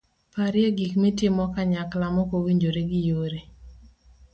parye gik mitimo kanyakla mokowinjre gi yore